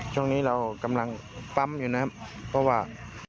ช่วงนี้เรากำลังปั๊มอยู่นะครับเพราะว่า